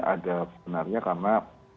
ada sebenarnya karena